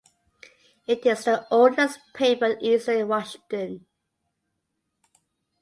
It is the oldest paper in eastern Washington.